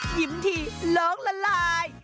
ยิ้มทีโลกละลาย